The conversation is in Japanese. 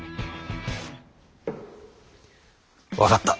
分かった。